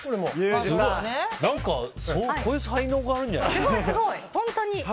何かこういう才能があるんじゃない？